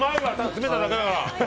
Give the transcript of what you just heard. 詰めただけだから。